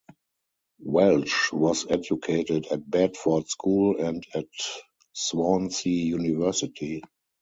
Welch was educated at Bedford School and at Swansea University.